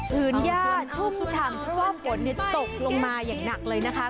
อ๋อพื้นย่าชุบฉ่ำเพราะว่าผลเนี่ยตกลงมาอย่างหนักเลยนะคะ